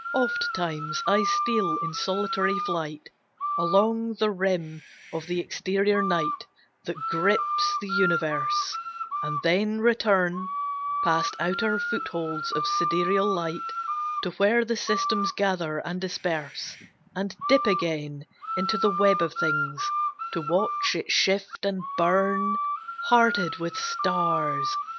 Ofttimes I steal in solitary flight Along the rim of the exterior night That grips the universe; And then return, Past outer footholds of sidereal light, To where the systems gather and disperse; And dip again into the web of things, To watch it shift and burn, Hearted with stars.